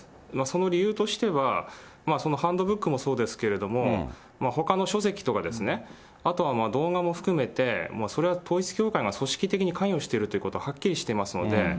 その理由としては、ハンドブックもそうですけれども、ほかの書籍とか、あとは動画も含めて、それは統一教会が組織的に関与しているということははっきりしてますので。